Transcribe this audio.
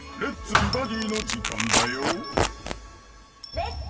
美バディ」の時間だよ「レッツ！